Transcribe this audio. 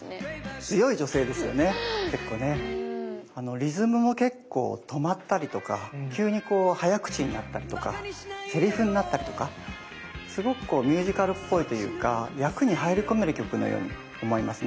リズムも結構止まったりとか急にこう早口になったりとかセリフになったりとかすごくこうミュージカルっぽいというか役に入り込める曲のように思いますね。